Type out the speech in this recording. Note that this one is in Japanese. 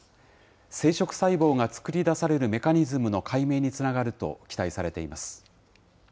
生殖細胞が作り出されるメカニズムの解明につながると、期待されています。